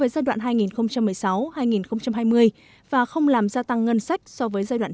giai đoạn hai nghìn hai mươi một hai nghìn hai mươi năm là khoảng bảy mươi tám ba so với giai đoạn hai nghìn một mươi chín